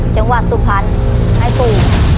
จังหวัดสุพรรณให้ปู่